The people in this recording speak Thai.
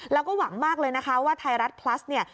แล้วก็หวังมากเลยนะคะว่าไทยรัฐพลัสเนี่ย